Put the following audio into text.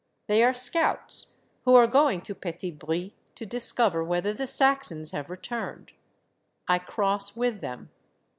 They are scouts who are going to Petit Bry to discover whether the Saxons have returned. I cross with them.